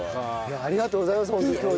ありがとうございます今日は。